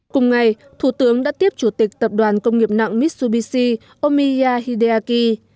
cùng ngày thủ tướng đã tiếp chủ tịch tập đoàn công nghiệp nặng mitsubishi omiya hideaki